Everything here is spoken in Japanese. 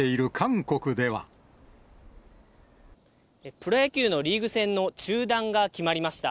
プロ野球のリーグ戦の中断が決まりました。